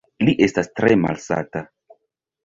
Li estas tre malsata.